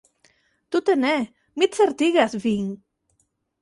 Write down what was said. Tute ne, mi certigas vin!